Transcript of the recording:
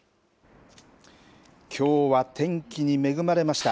きょうは天気に恵まれました。